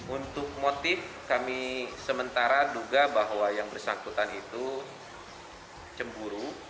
untuk motif kami sementara duga bahwa yang bersangkutan itu cemburu